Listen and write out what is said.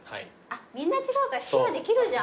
みんな違うからシェアできるじゃん。